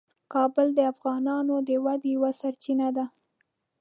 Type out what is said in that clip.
کابل د افغانانو د ودې یوه سرچینه ده.